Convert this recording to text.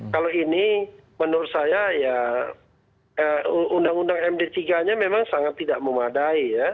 kalau ini menurut saya ya undang undang md tiga nya memang sangat tidak memadai ya